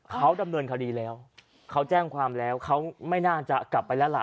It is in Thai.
เขาดำเนินคดีแล้วเขาแจ้งความแล้วเขาไม่น่าจะกลับไปแล้วล่ะ